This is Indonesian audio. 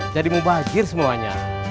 jadi mubazir semuanya